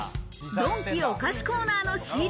ドンキお菓子コーナーの仕入れ